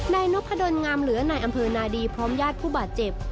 ในนกผ่าดนงามเหลือในอำเภอนาดีพร้อมญาติผู้บาดเจ็บ